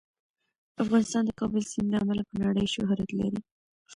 افغانستان د کابل سیند له امله په نړۍ شهرت لري.